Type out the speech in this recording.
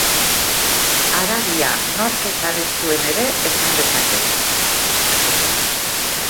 Haragia nork ekarri zuen ere esan dezaket.